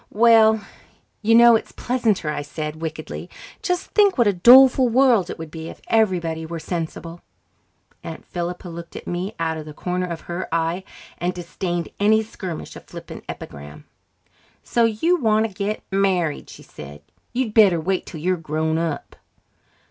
"Well, you know it's pleasanter," I said, wickedly. "Just think what a doleful world it would be if everybody were sensible." Aunt Philippa looked at me out of the corner of her eye and disdained any skirmish of flippant epigram. "So you want to get married?" she said. "You'd better wait till you're grown up."